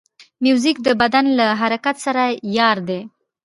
موزیک د بدن له حرکت سره یار دی.